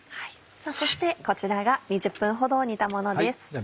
そしてこちらが２０分ほど煮たものです。